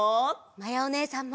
まやおねえさんも！